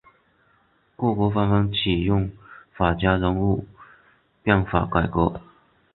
各国纷纷启用法家人物变法改革。